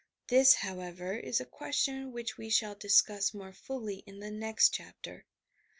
This, however, is a question which we shall discuss more fully in the next chapter.